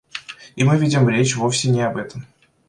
И мы ведем речь вовсе не об этом.